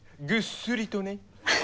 ぐっすりとね。